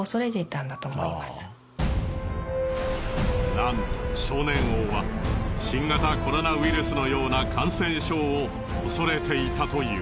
なんと少年王は新型コロナウイルスのような感染症を恐れていたという。